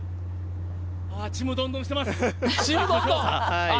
ちむどんどんしてます。